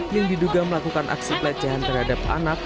yang diduga melakukan aksi pelecehan terhadap anak